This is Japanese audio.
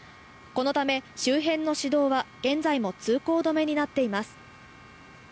このため、周辺の市道は現在も通行止めになっています。